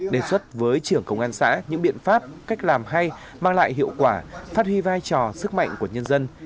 đề xuất với trưởng công an xã những biện pháp cách làm hay mang lại hiệu quả phát huy vai trò sức mạnh của nhân dân